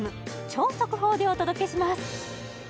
超速報でお届けします